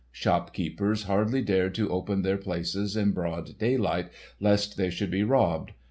Shopkeepers hardly dared to open their places in broad daylight, lest they should be robbed.